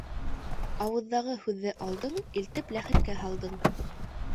Ауыҙҙағы һүҙҙе алдың, илтеп ләхеткә һалдың.